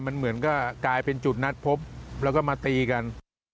มันเหมือนก็กลายเป็นจุดนัดพบแล้วก็มาตีกัน